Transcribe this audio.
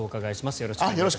よろしくお願いします。